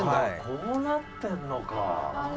「こうなってるのか」